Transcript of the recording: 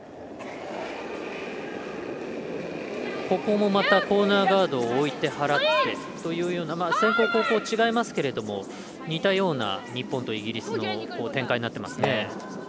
ここもコーナーガードを置いて払ってという先攻、後攻違いますけれども似たような日本とイギリスの展開になっていますね。